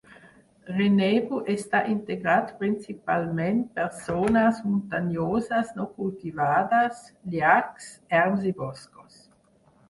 Rennebu està integrat principalment per zones muntanyoses no cultivades, llacs, erms i boscos.